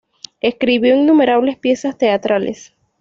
Escribió innumerables piezas teatrales.